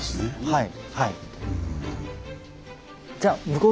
はい。